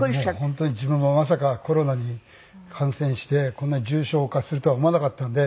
本当に自分もまさかコロナに感染してこんなに重症化するとは思わなかったんで。